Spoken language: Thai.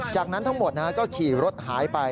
จากนั้นทั้งหมดก็ขี่รถหายไป